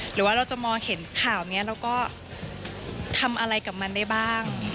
หรือว่าเราจะมองเห็นข่าวนี้เราก็ทำอะไรกับมันได้บ้าง